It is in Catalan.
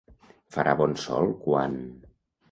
Farà bon sol quan...